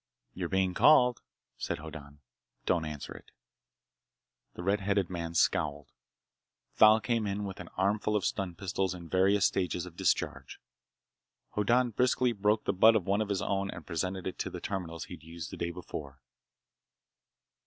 "You're being called," said Hoddan. "Don't answer it." The red headed man scowled. Thal came in with an armful of stun pistols in various stages of discharge. Hoddan briskly broke the butt of one of his own and presented it to the terminals he'd used the day before.